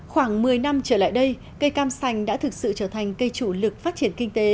khoảng một mươi năm trở lại đây cây cam sành đã thực sự trở thành cây chủ lực phát triển kinh tế